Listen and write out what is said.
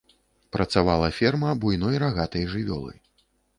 Працавала ферма буйной рагатай жывёлы.